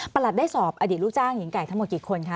ได้สอบอดีตลูกจ้างหญิงไก่ทั้งหมดกี่คนคะ